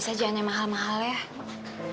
dia itu mettrek anak anakmyruk monsieur mon mechanique